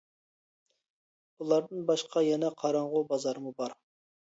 بۇلاردىن باشقا يەنە قاراڭغۇ بازارمۇ بار.